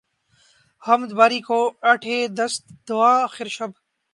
حمد باری کو اٹھے دست دعا آخر شب